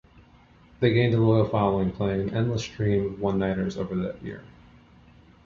They gained a loyal following playing an endless stream of one-nighters over that year.